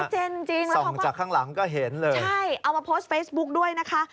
จริงแล้วเขาว่าใช่เอามาโพสต์เฟซบุ๊กด้วยนะคะ